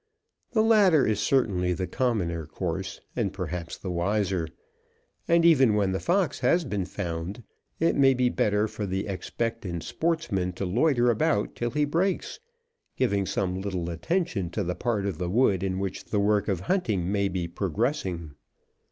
The latter is certainly the commoner course, and perhaps the wiser. And even when the fox has been found it may be better for the expectant sportsman to loiter about till he breaks, giving some little attention to the part of the wood in which the work of hunting may be progressing.